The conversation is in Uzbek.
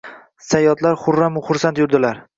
Sayyodlar hurramu xursand yurdilar